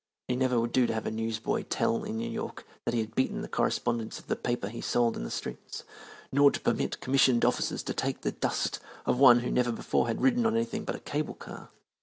It never would do to have a newsboy tell in New York that he had beaten the correspondents of the papers he sold in the streets; nor to permit commissioned officers to take the dust of one who never before had ridden on anything but a cable car.